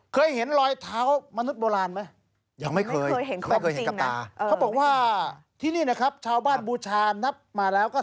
เคยเห็นลอยเท้ามนุษย์โบราณไหม